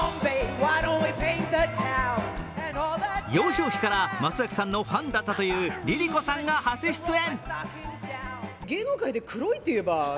幼少期から松崎さんのファンだったというＬｉＬｉＣｏさんが初出演。